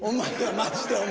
マジでお前。